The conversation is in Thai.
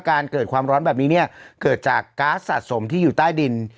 เกิดความร้อนแบบนี้เนี่ยเกิดจากก๊าซสะสมที่อยู่ใต้ดิน